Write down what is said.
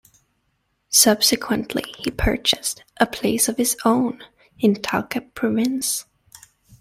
Subsequently he purchased a place of his own, in Talca Province.